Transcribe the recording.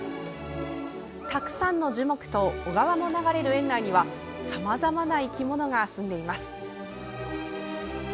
たくさんの樹木と小川も流れる園内にはさまざまな生き物がすんでいます。